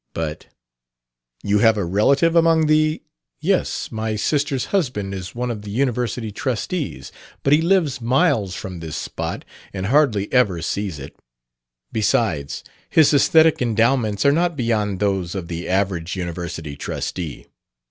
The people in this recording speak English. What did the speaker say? But " "You have a relative among the ?" "Yes, my sister's husband is one of the University trustees. But he lives miles from this spot and hardly ever sees it. Besides, his aesthetic endowments are not beyond those of the average university trustee.